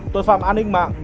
tội phạm an ninh mạng